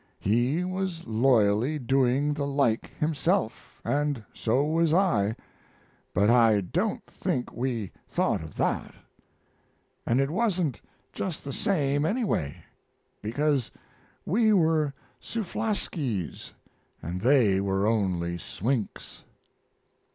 He was loyally doing the like himself, and so was I, but I don't think we thought of that. And it wasn't just the same, anyway, because we were sooflaskies, and they were only swinks.